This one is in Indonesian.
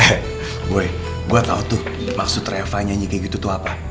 eh gue gue tau tuh maksud reva nyanyi kayak gitu tuh apa